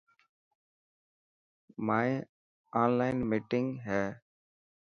مائن اونلان مينٽنگ هي.